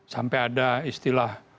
sampai ada istilah